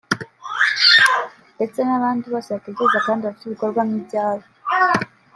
ndetse n’abandi bose batekereza kandi bafite ibikorwa nk’ibyabo